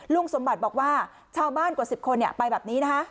ลุงสมบัติบอกว่าชาวบ้านกว่า๑๐คนไปแบบนี้นะคะ